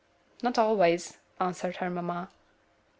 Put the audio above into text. "Not always," answered her mamma.